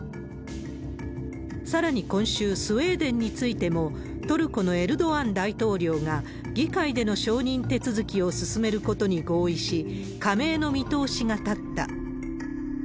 さらに今週、スウェーデンについても、トルコのエルドアン大統領が、議会での承認手続きを進めることに合意し、加盟の見通しが立った。